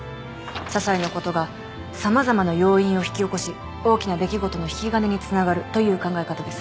ささいなことが様々な要因を引き起こし大きな出来事の引き金につながるという考え方です。